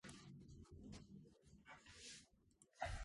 ეწეოდა მთარგმნელობით მუშაობას.